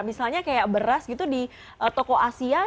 misalnya kayak beras gitu di toko asia